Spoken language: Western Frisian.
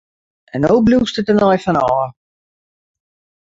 En no bliuwst der tenei fan ôf!